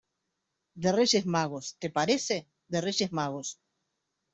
de Reyes Magos, ¿ te parece? de Reyes Magos.